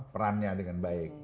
perannya dengan baik